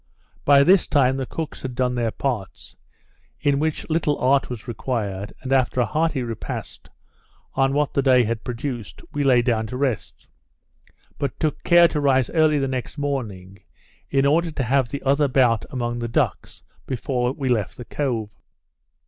By this time, the cooks had done their parts, in which little art was required; and after a hearty repast, on what the day had produced, we lay down to rest; but took care to rise early the next morning, in order to have the other bout among the ducks, before we left the cove.